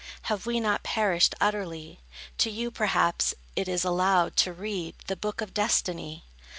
Have we not perished utterly? To you, perhaps, it is allowed, to read The book of destiny.